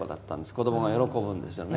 子どもが喜ぶんですよね。